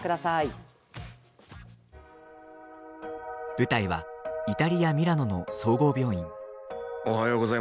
舞台はイタリア、ミラノの総合病院。